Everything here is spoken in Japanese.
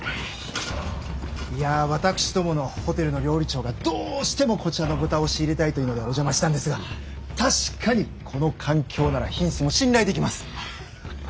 いや私どものホテルの料理長がどうしてもこちらの豚を仕入れたいというのでお邪魔したんですが確かにこの環境なら品質も信頼できます。